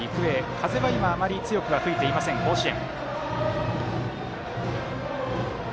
風は今あまり強く吹いていません甲子園。